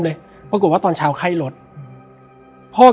และวันนี้แขกรับเชิญที่จะมาเชิญที่เรา